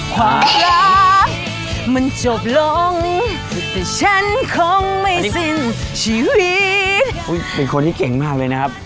ความรักมันจบลงแต่ฉันคงไม่สิ้นชีวิตเป็นคนที่เก่งมากเลยนะครับ